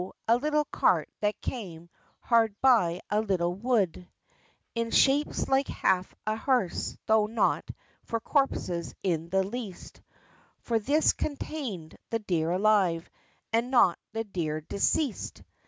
a little cart that came Hard by a little wood. In shape like half a hearse, tho' not For corpses in the least; For this contained the deer alive, And not the dear deceased!